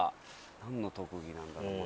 なんの特技なんだろう？